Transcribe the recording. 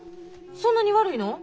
そんなに悪いの？